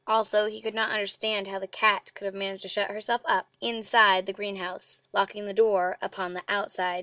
Also he could not understand how the cat could have managed to shut herself up INSIDE the greenhouse, locking the door upon the OUTSIDE.